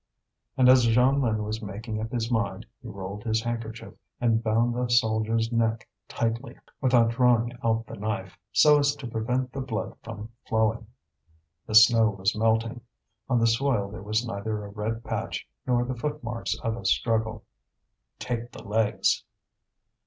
And as Jeanlin was making up his mind, he rolled his handkerchief, and bound the soldier's neck tightly, without drawing out the knife, so as to prevent the blood from flowing. The snow was melting; on the soil there was neither a red patch nor the footmarks of a struggle. "Take the legs!"